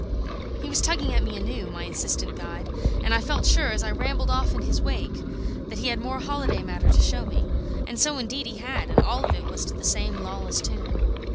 He was tugging at me anew, my insistent guide; and I felt sure, as I rambled off in his wake, that he had more holiday matter to show me. And so, indeed, he had; and all of it was to the same lawless tune.